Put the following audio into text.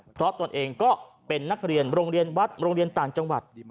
เพราะตนเองก็เป็นนักเรียนโรงเรียนวัดโรงเรียนต่างจังหวัด